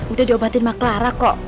udah diobatin mak clara kok